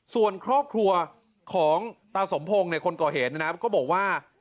ส่วนครอบครัวของตาสมพงศ์คนก่อเหตุนะครับก็บอกว่า